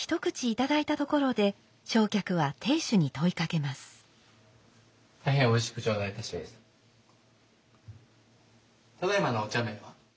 ただいまのお茶銘は？